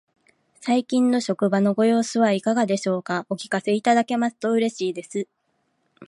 最近の職場のご様子はいかがでしょうか。お聞かせいただけますと嬉しいです。